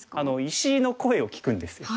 石の声を聞くんですよ。